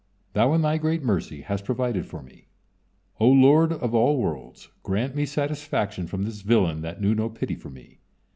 Thou in Thy great mercy hast provided for me. O Lord of all worlds! Grant me satisfaction from this villain that knew no pity for me."